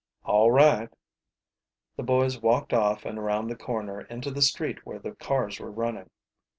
"All right." The boys walked off and around the corner into the street where the cars were running.